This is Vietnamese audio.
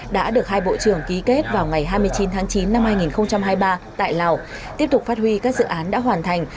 đã được hai bộ trưởng ký kết vào ngày hai mươi chín tháng chín năm hai nghìn hai mươi ba tại lào tiếp tục phát huy các dự án đã hoàn thành